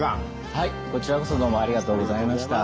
はいこちらこそどうもありがとうございました。